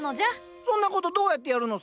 そんなことどうやってやるのさ？